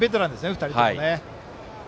２人とも。